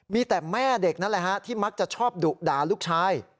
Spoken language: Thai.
มีแต่แม่เด็กนั่นแหละฮะที่มักจะชอบดุด่าลูกชาย